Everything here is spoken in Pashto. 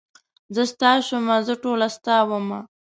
زه ستا شومه زه ټوله ستا ومه.